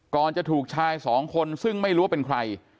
จะถูกชายสองคนซึ่งไม่รู้ว่าเป็นใคร